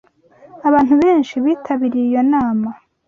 Abantu benshi bitabiriye iyo nama.